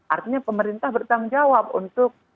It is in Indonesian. artinya pemerintah bertanggung jawab untuk